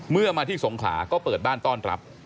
เมื่อมาที่สงขลาก็เปิดบ้านต้อนรับ